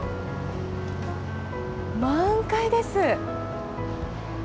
満開です！